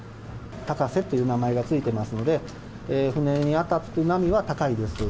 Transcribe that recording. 高瀬っていう名前が付いてますので、船に当たる波は高いです。